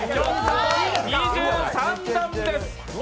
２３段です。